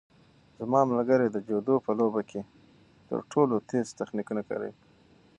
زما ملګری د جودو په لوبه کې تر ټولو تېز تخنیکونه کاروي.